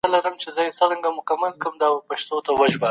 دا کم شمېر دئ.